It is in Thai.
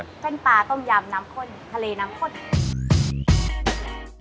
เส้นปลาต้มยำน้ำข้นทะเลน้ำข้น